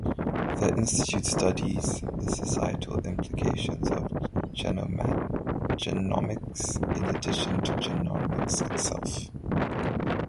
The Institute studies the societal implications of genomics in addition to genomics itself.